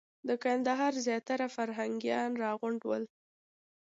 د کندهار زیاتره فرهنګیان راغونډ ول.